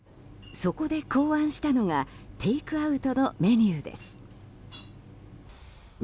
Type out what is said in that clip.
そこで考案したのがテイクアウトのメニューです。